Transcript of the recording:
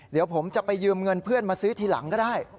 เดี๋ยวผมจะไปยืมเงินเพื่อนมาซื้อทีหลังก็ได้